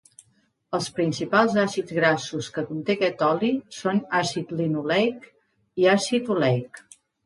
Els principals àcids grassos que conté aquest oli són àcid linoleic i àcid oleic.